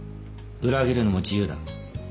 裏切るのも自由だ。